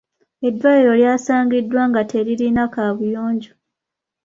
Eddwaliro lyasangiddwa nga teririna kaabuyonjo.